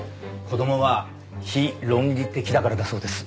子供は非論理的だからだそうです。